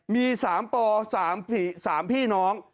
มีสามปอสามพี่น้อง